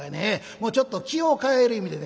もうちょっと気を変える意味でね